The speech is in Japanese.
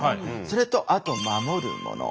それとあと守るもの。